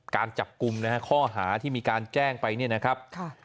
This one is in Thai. การจับกลุ่มนะฮะข้อหาที่มีการแจ้งไปเนี่ยนะครับ